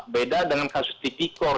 beda dengan kasus titikor